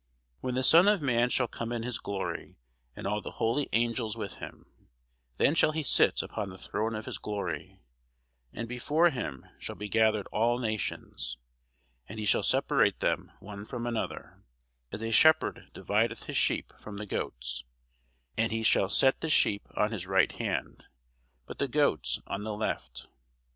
When the Son of man shall come in his glory, and all the holy angels with him, then shall he sit upon the throne of his glory: and before him shall be gathered all nations: and he shall separate them one from another, as a shepherd divideth his sheep from the goats: and he shall set the sheep on his right hand, but the goats on the left.